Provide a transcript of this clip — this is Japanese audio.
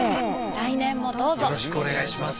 来年もどうぞよろしくお願いします。